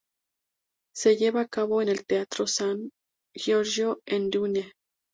Se lleva a cabo en el Teatro San Giorgio en Udine.